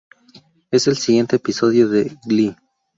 Es el siguiente episodio de "Glee".